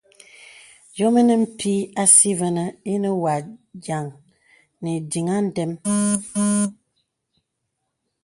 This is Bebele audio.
Dìōm inə pī àsí vənə inə wà dìaŋ nì ìdiŋ à ndəm.